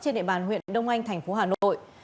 trên địa bàn huyện đông anh tp hà nội